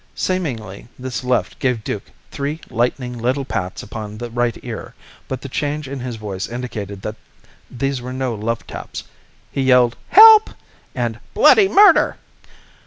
Seemingly this left gave Duke three lightning little pats upon the right ear, but the change in his voice indicated that these were no love taps. He yelled "help!" and "bloody murder!"